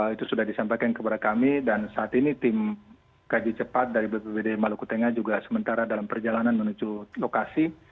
itu sudah disampaikan kepada kami dan saat ini tim kaji cepat dari bpbd maluku tengah juga sementara dalam perjalanan menuju lokasi